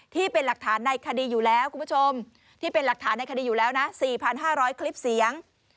ที่เป็นหลักฐานในคดีอยู่แล้วคุณผู้ชมที่เป็นหลักฐานในคดีอยู่แล้วนะ๔๕๐๐คลิปเสียง